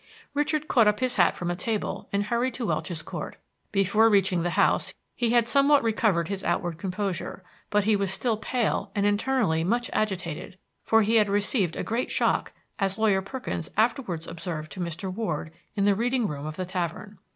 Richard caught up his hat from a table, and hurried to Welch's Court. Before reaching the house he had somewhat recovered his outward composure; but he was still pale and internally much agitated, for he had received a great shock, as Lawyer Perkins afterwards observed to Mr. Ward in the reading room of the tavern.